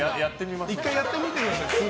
次やってみてください。